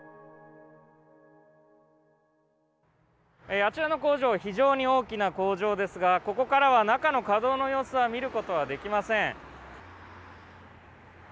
あちらの工場、非常に大きな工場ですが、ここからは中の稼働の様子は見ることはできません。